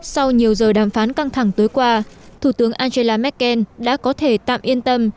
sau nhiều giờ đàm phán căng thẳng tối qua thủ tướng angela merkel đã có thể tạm yên tâm